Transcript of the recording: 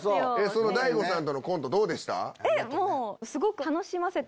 大悟さんとのコントどうでした？